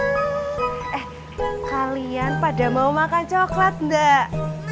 eh kalian pada mau makan coklat enggak